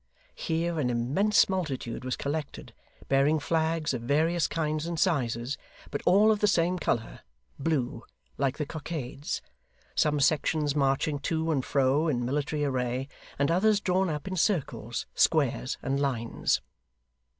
Here an immense multitude was collected, bearing flags of various kinds and sizes, but all of the same colour blue, like the cockades some sections marching to and fro in military array, and others drawn up in circles, squares, and lines.